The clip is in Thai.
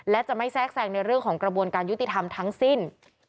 และจะไม่แทรกแทรงในเรื่องของกระบวนการยุติธรรมทั้งสิ้น